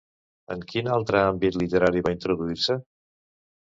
En quin altre àmbit literari va introduir-se?